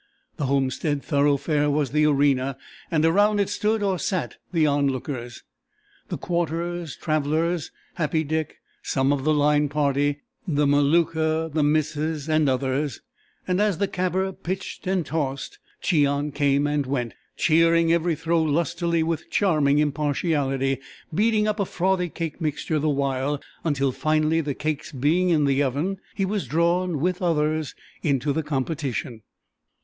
The homestead thoroughfare was the arena and around it stood or sat the onlookers: the Quarters travellers, Happy Dick, some of the Line Party, the Maluka, the missus, and others, and as the caber pitched and tossed, Cheon came and went, cheering every throw lustily with charming impartiality, beating up a frothy cake mixture the while, until, finally, the cakes being in the oven, he was drawn, with others, into the competition.